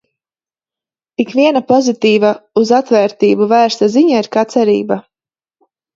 Ikviena pozitīva, uz atvērtību vērsta ziņa ir kā cerība.